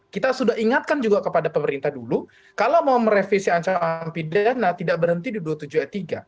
kita sudah ingatkan juga kepada pemerintah dulu kalau mau merevisi ancaman pidana tidak berhenti di dua puluh tujuh ayat tiga